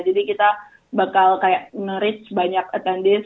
jadi kita bakal kayak nge reach banyak attendees